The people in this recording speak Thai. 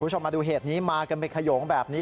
คุณผู้ชมมาดูเหตุนี้มากันไปขยงแบบนี้